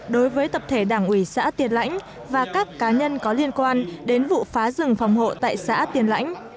đối với tập thể đảng ủy xã tiền lãnh và các cá nhân có liên quan đến vụ phá rừng phòng hộ tại xã tiên lãnh